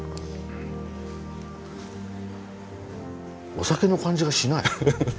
お酒の感じがしない。